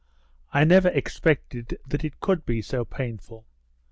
I never expected that it could be so painful.